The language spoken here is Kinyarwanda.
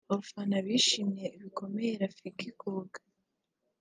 Abafana bishimiye bikomeye Rafiki Coga